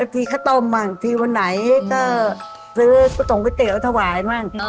พี่ข้าต้มอ่ะพี่วันไหนก็ซื้อสุดส่งก๋วเตี๋ยวถวายบ้าง